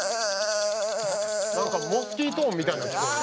なんかモスキート音みたいなん聞こえるな。